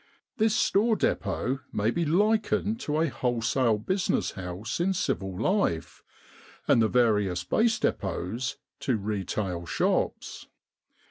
This Store Depot may be likened to a wholesale Business house in civil life, and the various Base Depots to retail shops.